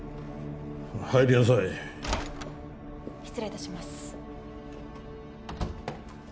入りなさい失礼いたします